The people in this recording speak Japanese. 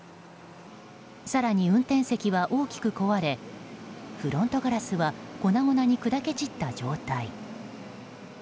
更に、運転席は大きく壊れフロントガラスは粉々に砕け散った状態。